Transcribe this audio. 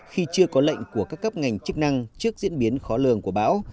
khi chưa có lệnh của các cấp ngành chức năng trước diễn biến khó lường của bão